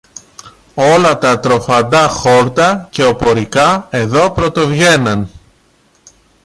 Όλα τα τροφαντά χόρτα και οπωρικά εδώ πρωτοβγαίναν.